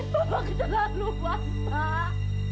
bapak keterlaluan pak